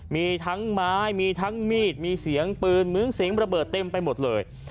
มีทั้งไม้มีทั้งมีดมีเสียงปืนเหมือนเสียงระเบิดเต็มไปหมดเลย